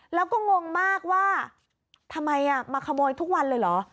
แล้วก็งงมากว่าทำไมมาขโมยทุกวันเลยเหรอ